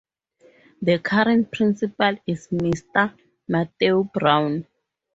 The current principal is Mister Matthew Brown.